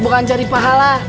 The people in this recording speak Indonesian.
bukan cari pahala